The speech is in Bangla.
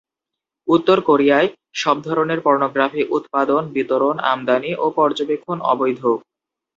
উত্তর কোরিয়ায় সব ধরণের পর্নোগ্রাফি উৎপাদন, বিতরণ, আমদানি ও পর্যবেক্ষণ অবৈধ।